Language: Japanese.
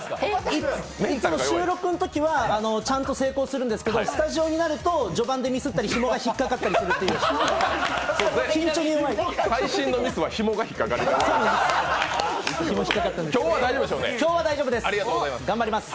いつも収録のときはちゃんと成功するんですけど、スタジオになると序盤で引っ掛かったり、ひもが引っ掛かったり最新のミスは、ひもが引っかかります。